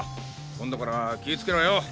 今度から気ぃつけろよ！